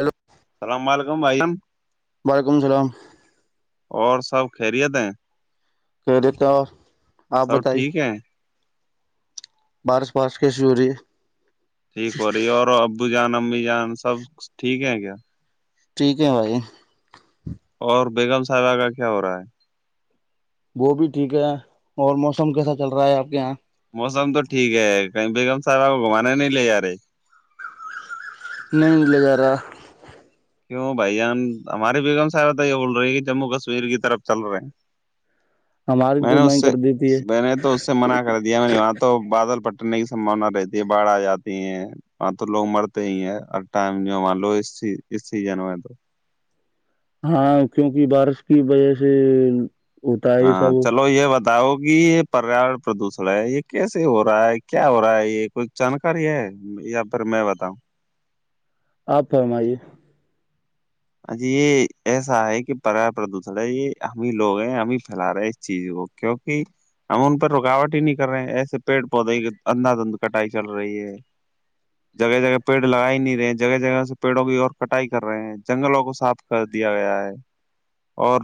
Hello اللام علیکم بھائیان وعلیکم السلام اور سب خیریت ہیں کہہ دیتے اور آپ سب بتائیے ٹھیک ہے بارش پارش کیشوری ٹھیک ہو رہی ہے اور ابو جان امی جان سب ٹھیک ہے کیا ٹھیک ہے بھائی اور بیگم صاحب کا کیا ہو رہا ہے- بھائی وہ بھی ٹھیک ہے اور موسم کیسا چل رہا ہے اپ کے ہیں- موسم تو ٹھیک ہے کہیں بیگم صاحب آپ کو گھمانے نہیں لے- نہیں لےگا رہا کیوں بھائیان ہماری بیگم صاحبتا یہ بول رہی ہے کہ جموں کشمیر کی طرف چل رہے ہیں- ہماری میں تو نے اس نہیں سے کر دیتی ہے میں نے تو اس سے منع کر وہاں تو بادل پٹنے کی سمباونا رہتی ہے باڑھ آ جاتی ہیں ہاں تو لوگ مرتے ہی ہیں اور ٹائم جو ہے مان لو اس اس سیزن میں تو- ہاں کیونکہ بارش کی وجہ سے ہوتا ہے یہ ہاں سب چلو یہ بد بتاؤ کہ یہ پریاورن پردوشن ہے یہ کیسے ہو, رہا ہے کیا ہو رہا ہے یہ کوئی جانکاری ہے یا پھر میں بتاؤں آپ فرمائیے ا یہ ایسا ہے کہ پر پردوشن ہے یہ ہمیں لوگ ہیں ہمیں پھیلا رہے اس چیز کو کیونکہ ہم ان پہ رکاوٹ ہی نہیں کر رہے ہیں ایسے پیڑ پودے کی اندھا دھند کٹائی چل رہی ہے جگہ جگہ پیڑ لگا ہی نہیں رہے ہیں جگہ جگہ سے پیڑوں کی اور کٹائی کر رہے ہیں جنگلوں کو صاف کر دیا گیا ہے اور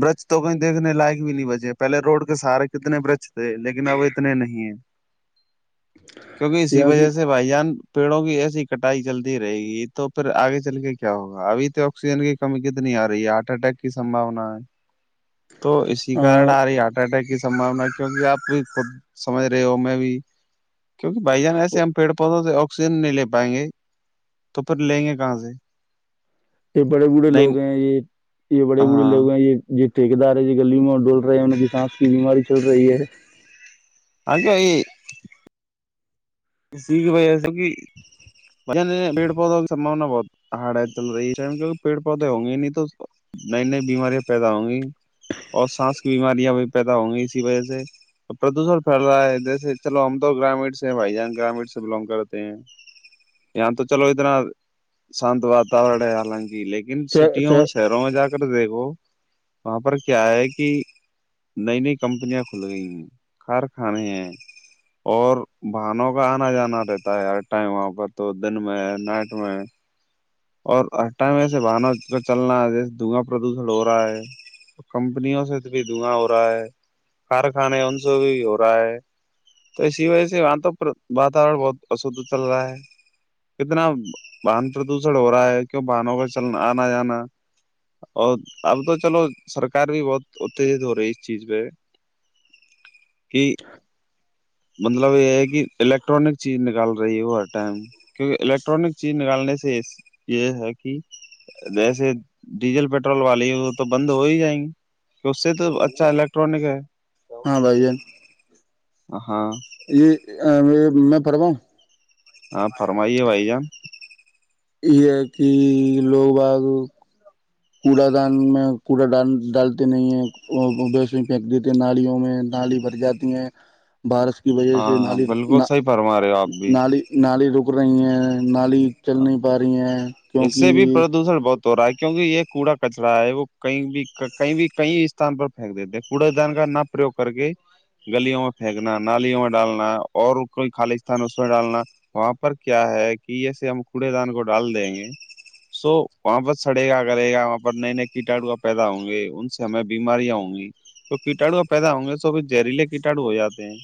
برج تو کہیں دیکھنے لائق بھی نہیں بچے پہلے روڈ کے سارے کتنے برج تھے لیکن اب اتنے نہیں ہیں [inaudible] کیونکہ اسی یہاں وجہ کی سے بھائی جان پیڑوں کی ایسی کٹائی چلتی رہے گی تو پھر آگے چل کے کیا ہوگا اھی تو آکسیجن کی کمی کتنی آ رہی ہے ہارٹ اٹیک کی سمبانا ہے تو اسی کارن آ رہی ہارٹ اٹیک کی سمباونا کیوںکہ آپ بھی خود سمجھ رہے ہو میں بھی- کیونک بھائی جان ایسے ہم پیڑ پودوںے سے آکسیجن نہیںے پائیں گے? تو پھر لیں گے کہاں سے یہ بڑے بوڑے نہیں لوگ ہیں یہ- یہ بڑے بوڑے ہاں لوگ ہیں یہ- یہ ٹھیک دار ہے جو گلی میں ڈول رہے ہیں ان کی سانس کی بیماری چل رہی ہے- [unintelligible] سییھ بائی ایسے کہ پیڑ پودوں کی سمباونا بہت ہاڑ ہے چل رہی ہے کی پیڑ پودے ہوں گے نہیں تو- نئی- نئی بیماریاں پیدا ہوں گی, اور سانس کی بیماریاں بھی پیدا ہوں گی اسی وجہ سے- پردوشن پھیل رہا ہے جیسے چلو ہم تو گرامیین سے ہیں بھائی جان گرامیین سے بلونگ کرتے ہیں- یہاں تو چلو اتنا شانت واتاورن ہے حالانکہ لیکن ہے سٹیوں میں ش گھروں میں جا کر دیکھو وہاں پر کیا ہے کہ- نئی- نئی کمپنیاں کھل گئی ہیں کارخانے ہیں- اور باہنوں کا آنا جانا رہتا ہے ہر ٹائم وہاں پر تو دن میں نائٹ میں- اور ہٹا میں وسے بہنوں کا چلنا جیسے دھواں پردوشن ہو رہا ہے کمپنیوں سے تو بھی دھواں ہو رہا ہے کارخانے ان سے بھی ہو رہا ہے- تو اسی وجہ سے یہاں تو واتورن بہت اشھ چل رہا ہے کتنا واہن پردوشن ہو رہا ہے کیوں باہنوں کا چلنا آنا جانا- اور اب تو چلو سرکار بھی بہت اتےجت ہو رہی ہے اس چیز پہ- کہ [unintelligible] مطلب یہ ہے کہ الیکٹرانک چیز نکال رہی ہے ہو ہر ٹائم کیونکہ الیکٹرانک چیز نکالنے سے یہ ہے کہ- ویسے ڈیزل پیٹرول والی وہ تو بند ہو ہی جائیں گی- کہ اس سے تو اچھا الیکٹرانک ہے- ہاں بائی جن ہ ہاں- یہ یہ میں پڑھوا ہوں ہاں فرمائیے وائی جان یہ ہے کہ لوگ آگ کوڑا دان میں کوڑا ڈ ڈالتے نہیں ہے بیس پھینک دیتے ہیں نالیوں میں نالی بھر جاتی ہیں بارش کی وجہ ہاں سے ہاں نالی بالکل صحیح فرما رہے ہو آپ بھی نالی نالی رک رہی ہیں نالی چل نہیں پا رہی ہیں کیونکہ اس سے بھی پردوشن بہت ہو رہا ہے کیونکہ یہ کوڑا کچرا ہے وہ کہیں بھی کہیں بھی کئی استان پر پھینک دیتے ہیں کوڑا جان کر ن پرریوگ کر کے گلیوں میں پھینکنا نالیوں میں ڈالنا اور کوئی خالیستتان اس میں ڈالنا وہاں پر کیا ہے کہ یہسے ہم کوڑے دان کو ڈال دیں گے سو وہاں پر سڑے گا کرے گا وہاں پر نئے نئے کیٹاڑوا پیدا ہوں گے ان سے ہمیں بیماریاں ہوں گی جو کیٹاڑو کا پیدا ہوں گے تو ابھی جہریلے کیٹاڑو ہو جاتے ہیں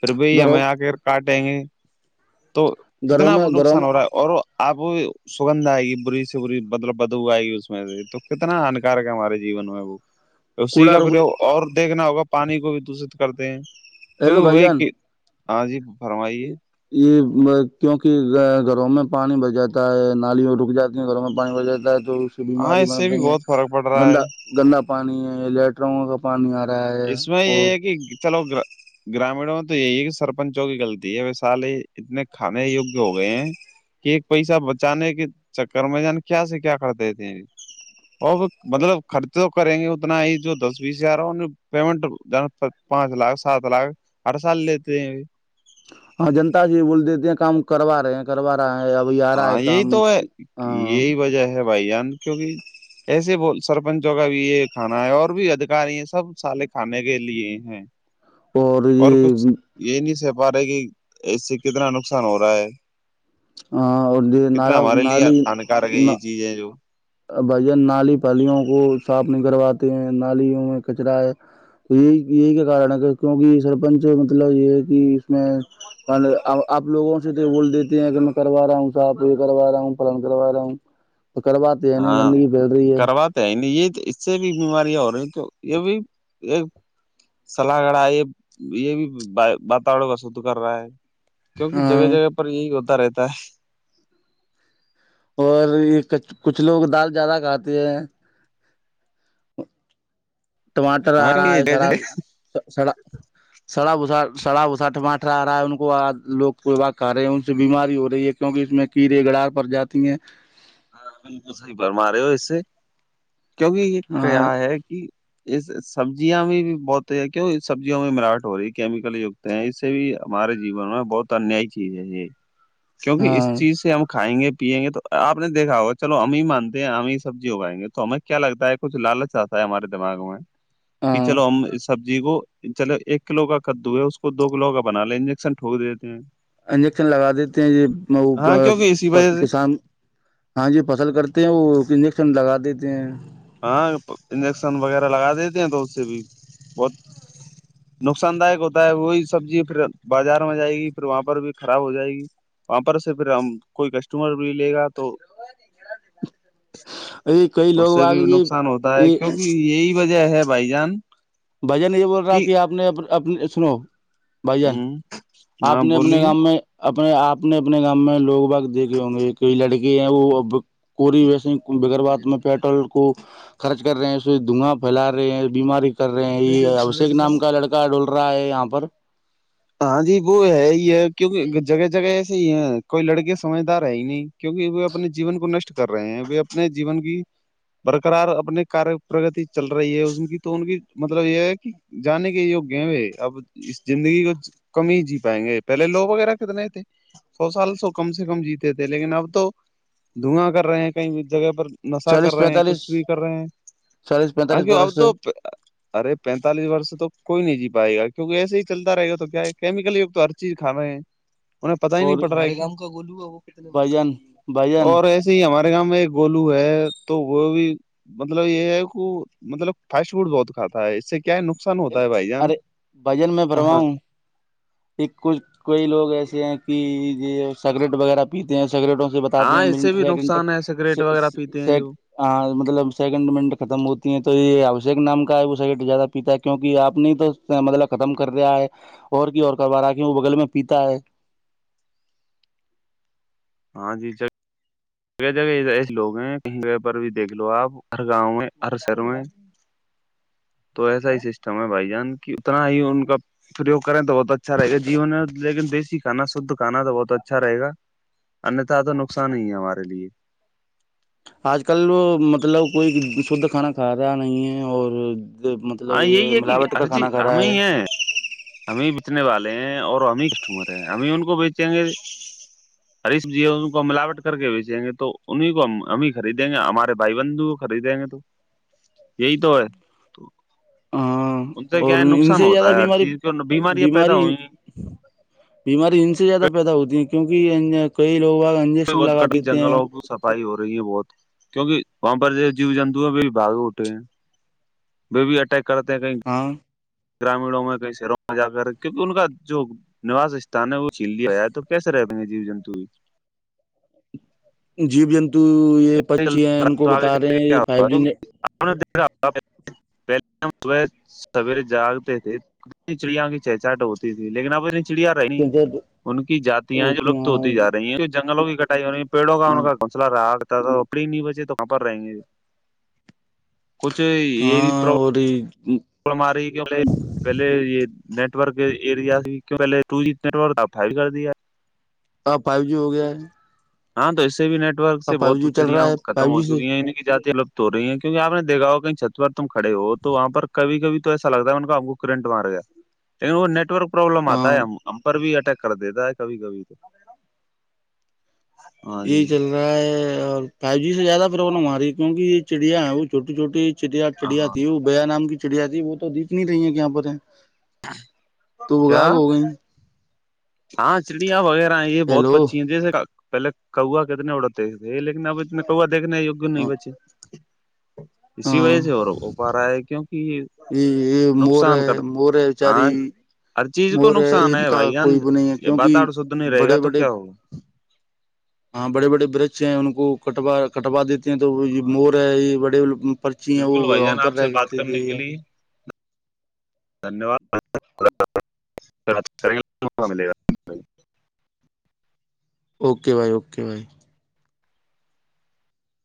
پھر بھ گھروں ہمیں آک کاٹیں گے تو گھروں کتنا میں گھروں نقصان میں ہو رہا ہے اور اب سگندھ آئے گی بری سے بری مطلب بدو آئے گی اس میں سے تو کتنا ہانکارک ہے ہمارے جیون میں وہ ہاں [inaudible] اسی کا پھر اور گا پانی کو بھی دشت کرتے ہیں ہیلو بھائی وہی جان کہ ہاں جی فرمائیے یہ کیوںک گھروں میں پانی بھر جاتا ہے نالیوں رک جاتا گھروں میں پانی بھر جاتا ہے تو اس سے ہاں بیماری اس بن سے بھی رہی ہے بہت فرق پڑ رہا گندا ہے گندا پانی ہے لیٹ کٹراؤ کا پانی آ رہا ہے اس میں اور یہ ہے چلو گگر گرامیڑوں میں تو یہی ہے کہ سرپنچوں کیغطی ہے و سال ہی اتنے کھانے یوگیہ ہو گئے ہیں کہ ایک پیسہ بچانے کے چکر میں جان کیا سے کیا کرتے تھے اور مطلب خرچ تو کریں گے اتنا ہی جو دس بیس ہزار ہو پیمنٹ پانچ لاکھ سات لاکھ ہر سال لیتے ہیں ہاں جنتا جی بول دیتے ہیں کام کروا رہے ہیں کروا رہا ہے ابھی آ رہا ہے ہاں کام یہی تو ہے ہاں یہی وجہ ہے بھائی جان کیونکہ ایسے ب سرپنچوں کا بھی یہ کھانا ہے اور بھی ادھاری ہیں سب سالے کھانے کے لیے ہیں اور کچھ یہ نہیں سہ پا رہے کہ اس سے کتنا نقصان ہو رہا ہے اور یہ کتنا نالا ہمارے لیے ہانکارک ہے یہ چیز ہے جو بھان نالی پلیوں کو صاف نہیں کرواتے ہیں نالیوں میں کچرا ہے تو یہی یہی کا کارن ہے کہ کیوںکہ سرپنچ مطلب یہ ہے کہ اس میں آپ لووں سے تو بول دیتے ہیں کہگر میں کروا رہا ہوں ص آپ یہ کروا رہا ہوں پن کروا رہا ہوں ار بع ہاں کرواتے ہیں نہیں یہ اس سے بھی بیماریاں ہو رہی ہیں تو یہ بھی یہ سلا گڑا یہ یہ بھی واتاور کا شود کر رہا ہے کیونکہ جگہ ہاں جگہ پر یہی ہوتا رہتا ہے اور یہ کچ کچھ لوگ دال زیادہ کھاتے ہیں ٹماٹر آ ہاں رہا کیہ ہے سارا جگہ سڑا سڑا بسا سڑا وسا ٹماٹرا آ رہا ہے ان کو لوگ کوا کر رہے ہیں ان سے بیماری ہو رہی ہے کیونکہ اس میں کیڑے گڑار پڑ جاتی ہیں ہاں بالکل صحیح برما رہے ہو اس سے کیونکہ یہ ہاں کیا ہے کہ اس سبزیا میں بھی بہت کیوں سبزیوں میں مراٹ ہو رہی ہے کیمیکل گت اس سے بھی ہمارے جیون میں بہت انیای چیز ہے یہ [inaudible] کیونکہ اس چیز سے ہم کھائیں گے پیئیں گے تو آپ ہم نے دیکھا ہوا چلو ہمیں مانتے ہیں ہمیں سبزی اگائیں گے تو ہمیں کیا لگتا ہے کچھ لالچ آتا ہے ہمارے دماغ میں کہ ہاں چلو ہم سبزی کو چلو ایک کلو کا کدو ہے اس کو دو کلو کا بنا لیں انجیکشن ٹوک د ہ انجیکشن لگا دیتے ہیں کیونکہ اسی وجہ سے کسان ہاں جی فصل کرتے ہیں وہ انجیکشن لگا دیتے ہیں ہاں انجیکشن وغیرہ لگا دیتے ہیں تو اس سے بھی بہت نقصان داک ہوتا ہے وہی سبزی پھر بازار میں جائے گی پھر وہاں پر بھی خراب ہو جائے گی وہاں پر سے پھر ہم کوئی کسٹمر بھی لے گا تو ارے کئی اس لوگ سے آ بھی یہ نقصان ہوتا ہے یہ کیونکہ یہی وجہ ہے بھائی جان بھجن یہ بول رہا کہ آپ نے اپنی سنو بھائی جان ہ آپ ہاں نے اپنے بولیے گام میں اپنے اپنے اپنے گامں میں لوگ بگ دیکھے ہوں گے کئی لڑکے ہیں وہ ا کوری ویسے بغگر بات میں پیٹرول کو خرچ کر رہے ہیں اس سے دھواں پھیلا رہے ہیں بیماری کو کر رہے ہیں یہ ابشیک نام کا لڑکا ڈول رہا ہے یہاں پر ہاں جی وہ ہے ہی ہے کیونکہ جگہ جگہ ایسے ہی ہیں کوئی لڑکے سمجھدار ہے ہی نہیں کیونکہ وہ اپنے جیون کو نشٹ کر رہے ہیں وہ اپنے جیون کی برقرار اپنے کار پرگتی چل رہی ہے ان کی تو ان کی مطلب یہ ہے کہ جانے کے یہوگ گیم ہے اب اس زندگی کو کم ہی جی پائیں گے پہلے لو وغیرہ کتنے تھے سو سال سو کم سے کم جیتے تھے لیکن اب تو دھواں کر رہے ہیں کئی جگہ پر نشہ کر چالیس رہے ہیں پینتالیس کچھ بھی کر رہے چالیس ہیں پینتالیس کی برس اب سے تو ارے پینتالیس ورس تو کوئی نہیں جی پائے گا کیونکہ ایسے ہی چلتا رہے گا تو کیا کیمیکل یوگت تو ہر چیز کھانا ہے انہیں پتتا ہی نہیں اور پڑ رہا ہے کا وہ ک بھجن بھجن اور جے ہمارے گاؤں میں ایک گولو ہے تو وہ بھی مطلب یہ ہے کہ مطلب فاسٹ فوڈ بہت کھاتا ہے اس سے کیا نقصان ہوتا ہے بھائی جان ارے بھجن میں بھروا ہاں ہوں ایک کچھ کوئی لوگ ایسے ہیں کہ یہ سگریٹ وغیرہ پیتے ہیں سگریٹوں سے بتاتے ہاں ہیں اس سے منٹ بھی سیکنڈ نقصان ہے تک سگریٹ وغیرہ پیتے س ہیں جو ہاں مطلب سیکنڈ منٹ ختم ہوتی ہیں تو یہ ابشیک نام کا ہے وہ سیکنڈ زیادہ پیتا کیوںکہ آپ نہیں تو مطلب ختم کر رہیا ہے اور کی اور کروا رہا کیوں وہ بغل میں پیتا ہے ہاں جی جگہ جگہ ایسے لوگ ہیں کہیں جہ پر بھی دیکھ لو آپ ہر گاؤں میں ہر شہر میں تو ایسا ہی سسٹم ہے بھائی جان کی اتنا ہی ان کا پرریوگ کریں تو بہت اچھا رہےا جیون ہے لیکن دیسی کانا شدھ کانا تو بہت اچھا رہےا انیہتھا تو نقصان ہی ہے ہمارے لیے آج کل مطلب کوئی شدھ کھانا کھا رہا نہیں ہے اور مطلب ہاں یہی یہ ہے کہ ملاوٹ کا ارجی کھانا کھا رہا ہمیں ہے ہمیں بیچنے والے ہیں اور ہمیں کسٹمر ہیں ہمیں ان کو بیچیں گے ج ہریش جی ان کو ملاوٹ کر کے بیچیں گے تو انہیں کو ہم ہی خریدیں گے ہمارے بھائی بندو کو خریدیں گے تو یہی تو ہے تو ہاں ان سے اور کیا ہے ان نقصان سے ہوتا زیادہ ہے ہر بیماری چیز کو بیماریاں پیدا بیماری ہوئی ہیں بیماری ان سے زیادہ پیدا ہوتی ہے کیونک کئی لوگ انجیکشن لگا دیتے ہیں فائی ہو رہی ہے بہت کیونکہ وہاں پر جیو جنتو پہ بھی بھگٹے ہیں بیبی اٹیک کرتے ہیں کہیں ہاں گرامیینوں میں کئی شہروں میں جا کر کیونکہ ان کا جو نواس استان ہے وہ چ آیا ہے تو کیس رہتےیں گے جیو جنتو جیب جنتو یہ پچی ہیں ان کو بتا رہے ہیں فائیو جی نی یکا پہلے ہم صبح سویرے جاگتے تھے چڑیاں کی چہچاہٹ ہوتی تھی لیکن اب چڑیاں رہی نیٹ ان کی جاتتیاں ہیں جو لپت ہوتی ج رہی ہیں جو جنگلوں کی کٹائی ہو پیڑوں کا ان ہاں کا گھونسلہ رہا تھا تو پڑی نہیں بچے تو وہاں پر رہیں گے کچھ یہ پرابلم اوری پل ماری کہے پہلے یہ نیٹ ورک ارییا پہلے و جی نٹکا بھی کر دی ہے آ فائیو جی ہو گیا ہے ہاں تو اس سے بھی نیٹ ورک سے اب فائیو بہت جی چل پچڑیاں رہا ہے ختم فائیو ہو جی سے چکی ہیں کی جاتیوگ تو رہی ہیں کیکہ آپ نے دھا ہو کہیں چھت پرار تم کڑے ہو تو وہاں پر کبھی کبھی تو ایسا لگتا ہے ان کا ہم کو کرنٹ مار گیا لیکن وہ نیٹ ورک پروابلم آتا ہاں ہے ہم ہم پر بھی اٹیک کر دیتا ہے کبھی کبھی تو ہاں یہی جی چل رہا ہے اور فائیو جی سے زیادہ پروبلم آ رہی ہے کیونکہ یہ چڑیاں ہیں وہ چوٹی چھوٹی چ چڑیا ہاں تھی وہ بیا نام کی چڑیا تھی وہ تو تنی رہ یہاں پر ہے تو وہ کیا غائب ہو گئے ہاں چڑیاں وغیرہ ہیں یہ بہت پچی ہیں جیسے پہلے کا کتنے اڑتے تھ لیکن اب کوا دھنے نہیں بچے اسی وجہ ہاں سے اور ہو پا رہا ہے کیونکہ یہ یہ مور نقصان کر مور ب چاری ہاں ہر چیز کو نقصان ہے نہیں ہے بھائی کیونکہ باتور شدھ نہیں رہے گا بڑے تو بڑے کیا ہوگا ہاں بڑے بڑے برچ ہیں ان کو کٹا کٹوا دیتے تو یہ ہاں مور جی ہے یہ بڑے پرچی ہیں وہ بالکل بھائی وہاں جان پر آپ سے رہتے بات تھے کرنے کے یہ لیے دھنیہ واد اوکے بھائی اوکے بھائی